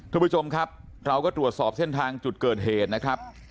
ทุกผู้ชมครับเราก็ตรวจสอบเส้นทางจุดเกิดเหตุนะครับ